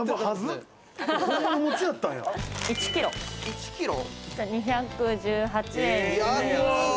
１キロ２１８円。